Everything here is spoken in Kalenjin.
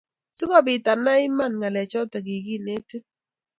si kobiit inai eng' iman, ng'alechato kiginetin.